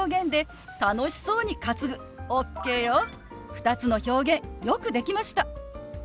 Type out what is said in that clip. ２つの表現よくできました！